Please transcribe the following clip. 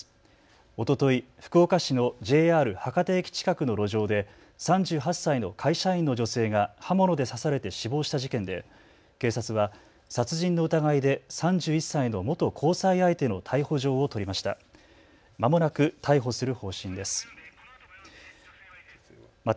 おととい、福岡市のＪＲ博多駅近くの路上で３８歳の会社員の女性が刃物で刺されて死亡した事件で警察は殺人の疑いで３１歳の元交際相手の逮捕状を取りました。